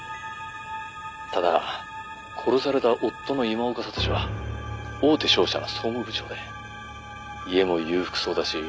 「ただ殺された夫の今岡智司は大手商社の総務部長で家も裕福そうだし」